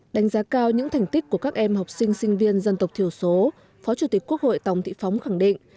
đánh giá cao những thành tích của các em học sinh sinh viên dân tộc thiểu số phó chủ tịch quốc hội tòng thị phóng khẳng định